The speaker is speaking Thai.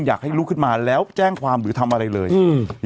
อยากให้ลุกขึ้นมาแล้วแจ้งความหรือทำอะไรเลยอืม